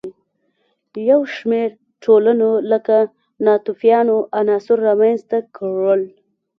یو شمېر ټولنو لکه ناتوفیانو عناصر رامنځته کړل.